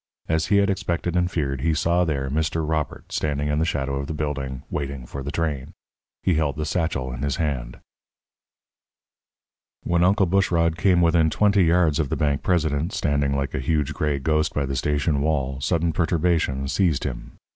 As he had expected and feared, he saw there Mr. Robert, standing in the shadow of the building, waiting for the train. He held the satchel in his hand. When Uncle Bushrod came within twenty yards of the bank president, standing like a huge, gray ghost by the station wall, sudden perturbation seized him.